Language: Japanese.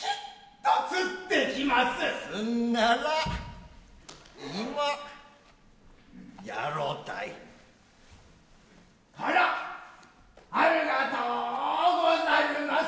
どうもありがとうござるます。